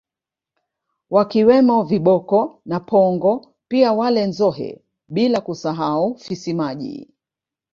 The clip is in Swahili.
Wakiwemo Viboko na Pongo pia wale Nzohe bila kusahau Fisi maji